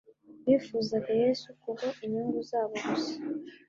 Bifuzaga Yesu kubwo inyugu zabo gusa